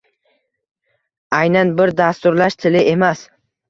Aynan bir dasturlash tili emas